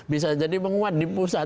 bisa jadi menguat di pusat